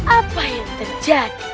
apa yang terjadi